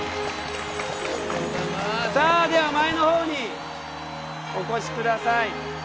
さあでは前の方にお越し下さい。